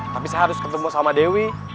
tapi saya harus ketemu sama dewi